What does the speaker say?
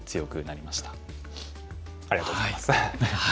ありがとうございます。